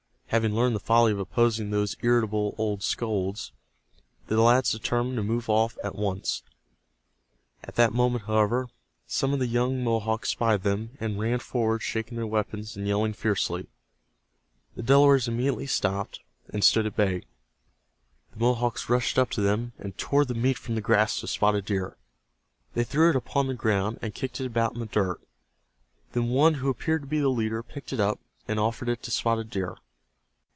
Having learned the folly of opposing those irritable old scolds, the lads determined to move off at once. At that moment, however, some of the young Mohawks spied them, and ran forward shaking their weapons, and yelling fiercely. The Delawares immediately stopped and stood at bay. The Mohawks rushed up to them, and tore the meat from the grasp of Spotted Deer. They threw it upon the ground, and kicked it about in the dirt. Then one who appeared to be the leader picked it up, and offered it to Spotted Deer.